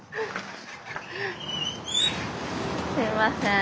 すいません。